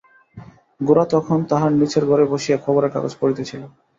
গোরা তখন তাহার নীচের ঘরে বসিয়া খবরের কাগজ পড়িতেছিল।